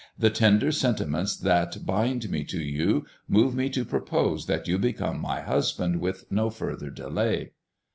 The tender sentiments that bind me to you move me to propose that you become my husband with no further delay."